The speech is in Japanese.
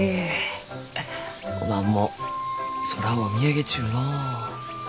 おまんも空を見上げちゅうのう。